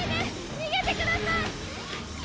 逃げてください！